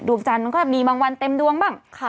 จันทร์มันก็มีบางวันเต็มดวงบ้าง